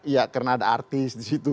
ya karena ada artis disitu